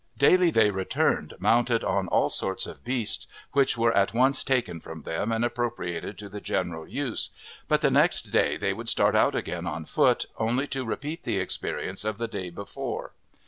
Daily they returned mounted on all sorts of beasts, which were at once taken from them and appropriated to the general use; but the next day they would start out again on foot, only to repeat the experience of the day before.